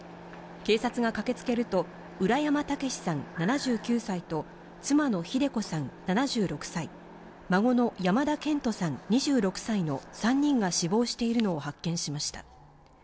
警察が駆けつけると、浦山毅さん７９歳と妻の秀子さん７６歳、孫の山田健人さん、２６歳の３人が死亡しているのを発見しました。